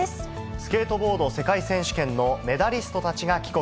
スケートボード世界選手権のメダリストたちが帰国。